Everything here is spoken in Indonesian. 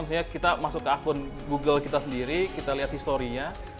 misalnya kita masuk ke akun google kita sendiri kita lihat historinya